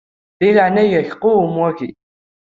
Di leɛnaya-k qwem waki.